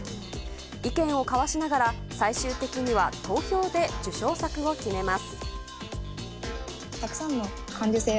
意見を交わしながら、最終的には投票で受賞作を決めます。